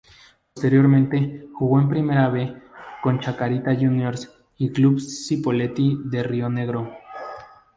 Posteriormente, jugó en Primera B con Chacarita Juniors y Club Cipolletti de Río Negro.